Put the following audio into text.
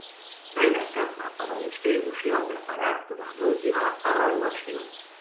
No hi ha cap mapa de distribució preparat durant l'última avaluació.